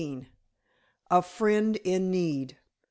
A FRIEND IN NEED.